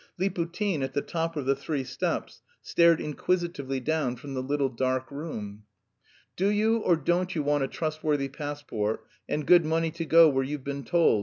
Liputin, at the top of the three steps, stared inquisitively down from the little dark room. "Do you or don't you want a trustworthy passport and good money to go where you've been told?